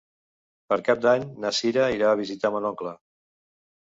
Per Cap d'Any na Cira irà a visitar mon oncle.